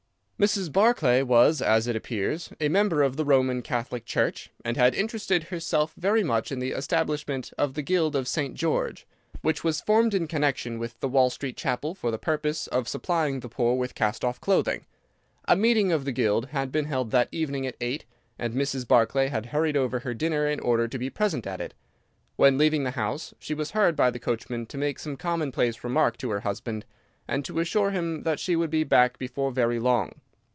"Mrs. Barclay was, it appears, a member of the Roman Catholic Church, and had interested herself very much in the establishment of the Guild of St. George, which was formed in connection with the Watt Street Chapel for the purpose of supplying the poor with cast off clothing. A meeting of the Guild had been held that evening at eight, and Mrs. Barclay had hurried over her dinner in order to be present at it. When leaving the house she was heard by the coachman to make some commonplace remark to her husband, and to assure him that she would be back before very long.